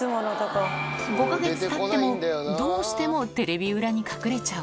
５か月たっても、どうしてもテレビ裏に隠れちゃう。